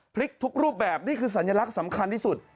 ทุกรูปแบบนี่คือสัญลักษณ์สำคัญที่สุด